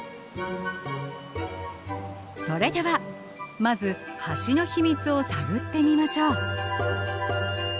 それではまず橋の秘密を探ってみましょう。